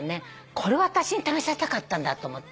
これを私に食べさせたかったんだと思って。